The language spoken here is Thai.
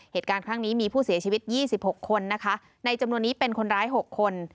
เหตุการณ์ครั้งนี้มีผู้เสียชีวิต๒๖คนนะคะในจำนวนนี้เป็นคนร้าย๖คน